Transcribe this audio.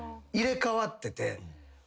入れ替わってて。